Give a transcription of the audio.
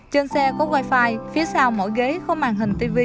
trên xe có wifi phía sau mỗi ghế không màn hình tv